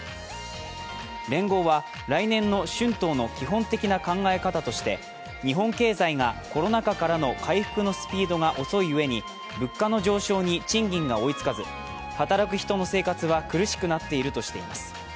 連合は来年の春闘の基本的な考え方として日本経済がコロナ禍からの回復のスピードが遅い上に物価の上昇に賃金が追いつかず働く人の生活は苦しくなっているとしています。